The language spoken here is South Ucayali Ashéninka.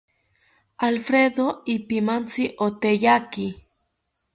Alfredo ipimantzi oteyaki